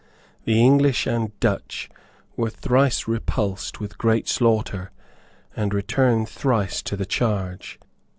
The English and Dutch were thrice repulsed with great slaughter, and returned thrice to the charge.